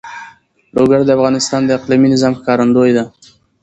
لوگر د افغانستان د اقلیمي نظام ښکارندوی ده.